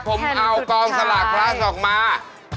ผมเอากองสลากพลัสออกมา